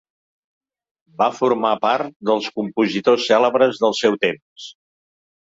Va formar part dels compositors cèlebres del seu temps.